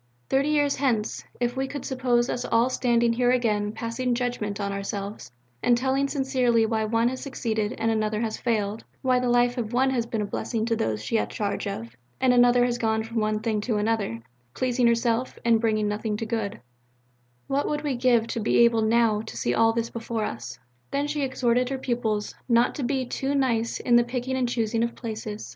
Thirty years hence, if we could suppose us all standing here again passing judgment on ourselves, and telling sincerely why one has succeeded and another has failed why the life of one has been a blessing to those she has had charge of, and another has gone from one thing to another, pleasing herself and bringing nothing to good what would we give to be able now to see all this before us? Then she exhorted her pupils not to be too nice in the picking and choosing of places.